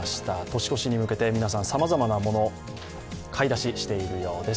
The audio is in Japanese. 年越しに向けて皆さんさまざまなもの、買い出ししているようです。